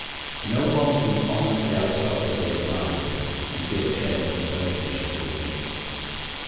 No one who honors the aristocracy of mind can feel ashamed of acquaintanceship with them.